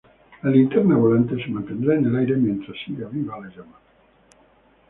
La linterna volante se mantendrá en el aire mientras siga viva la llama.